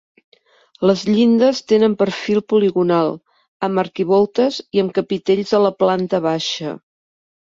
Les llindes tenen perfil poligonal, amb arquivoltes i amb capitells a la planta baixa.